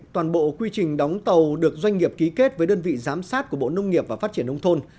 toàn bộ quy trình đóng tàu được doanh nghiệp ký kết với đơn vị giám sát của bộ nông nghiệp và phát triển nông thôn